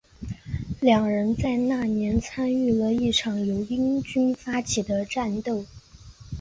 两人在那年参与了一场由英军发起的战斗。